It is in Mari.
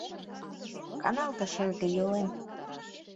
— Каналте, шерге йолем!